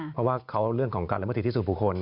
เพราะว่าเรื่องการระบบที่สูบผู้คน